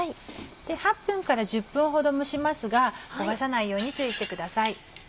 ８分から１０分ほど蒸しますが焦がさないように注意してください。